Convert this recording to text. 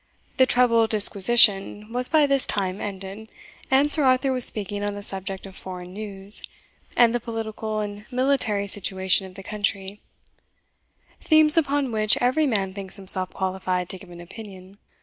The treble disquisition was by this time ended; and Sir Arthur was speaking on the subject of foreign news, and the political and military situation of the country, themes upon which every man thinks himself qualified to give an opinion.